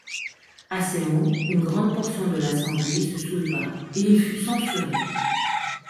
À ces mots, une grande portion de l’assemblée se souleva, et il fut censuré.